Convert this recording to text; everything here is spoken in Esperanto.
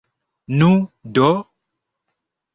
Nu, do?